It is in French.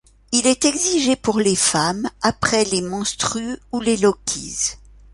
Il est exigé pour les femmes après les menstrues ou les lochies.